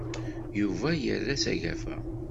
Yuba yerra s agafa.